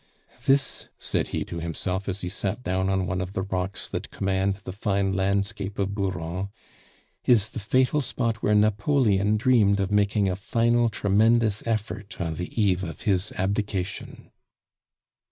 "This," said he to himself, as he sat down on one of the rocks that command the fine landscape of Bouron, "is the fatal spot where Napoleon dreamed of making a final tremendous effort on the eve of his abdication."